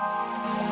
gak ada yang pilih